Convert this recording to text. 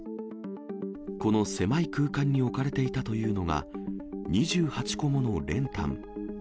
この狭い空間に置かれていたというのが、２８個もの練炭。